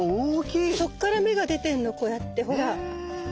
そっから芽が出てんのこうやってほら。